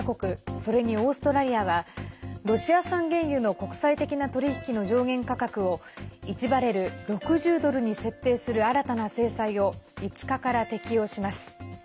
それにオーストラリアはロシア産原油の国際的な取り引きの上限価格を１バレル＝６０ドルに設定する新たな制裁を５日から適用します。